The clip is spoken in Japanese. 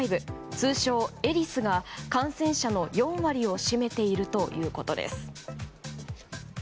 通称エリスが感染者の４割を占めているということです。